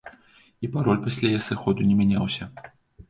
І пароль пасля яе сыходу не мяняўся.